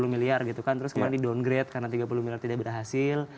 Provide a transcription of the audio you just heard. tiga puluh miliar gitu kan terus kemarin didowngrade karena tiga puluh miliar tidak berhasil